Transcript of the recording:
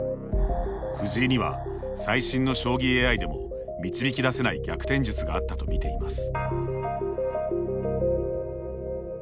藤井には、最新の将棋ＡＩでも導き出せない逆転術があったと見ています。